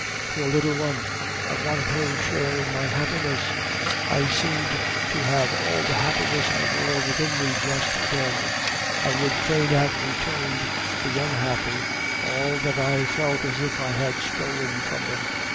Poor little one! I wanted her to share in my happiness. I seemed to have all the happiness in the world within me just then; and I would fain have returned to the unhappy, all that I felt as if I had stolen from them.